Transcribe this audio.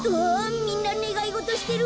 みんなねがいごとしてる！